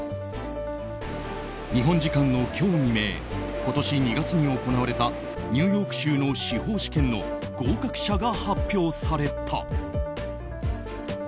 日本時間の今日未明今年２月に行われたニューヨーク州の司法試験の合格者が発表された。